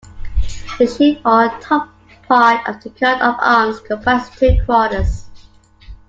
The chief or top part of the coat of arms comprises two quarters.